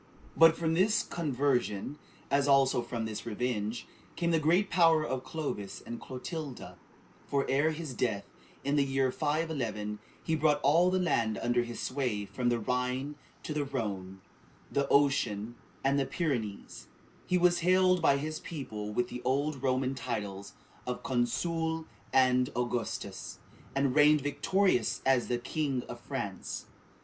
But from this conversion, as also from this revenge, came the great power of Clovis and Clotilda; for, ere his death, in the year 511, he brought all the land under his sway from the Rhine to the Rhone, the ocean and the Pyrenees; he was hailed by his people with the old Roman titles of Consul and Augustus, and reigned victorious as the first king of France.